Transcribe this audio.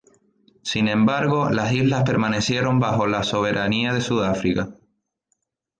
Sin embargo, las islas permanecieron bajo la soberanía de Suráfrica.